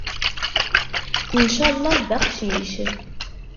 Nchallah d aqcic.